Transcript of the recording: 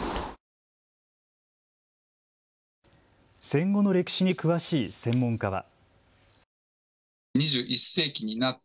戦後の歴史に詳しい専門家は。